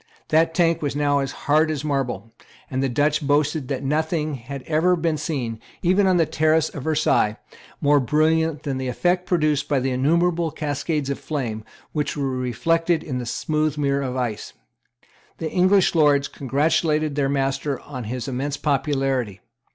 That tank was now as hard as marble; and the Dutch boasted that nothing had ever been seen, even on the terrace of Versailles, more brilliant than the effect produced by the innumerable cascades of flame which were reflected in the smooth mirror of ice. The English Lords congratulated their master on his immense popularity.